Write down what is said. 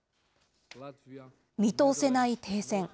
見通せない停戦。